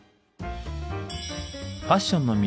ファッションの都